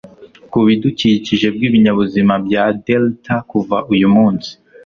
kubidukikije bwibinyabuzima bya delta kuva uyu munsi